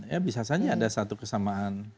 ya bisa saja ada satu kesamaan